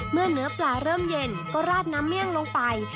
เนื้อปลาเริ่มเย็นก็ราดน้ำเมี่ยงลงไป